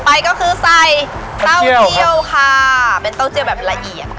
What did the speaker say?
ไปก็คือใส่เต้าเจี่ยวค่ะเป็นเต้าเจียวแบบละเอียด